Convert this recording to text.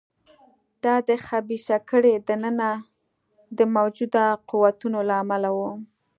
دا د خبیثه کړۍ دننه د موجوده قوتونو له امله و.